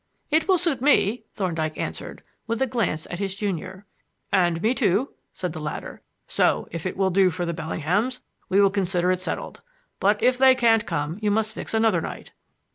"It will suit me," Thorndyke answered, with a glance at his junior. "And me too," said the latter; "so, if it will do for the Bellinghams, we will consider it settled; but if they can't come, you must fix another night."